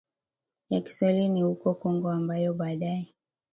ya Kiswahili ni huko Kongo ambayo baadaye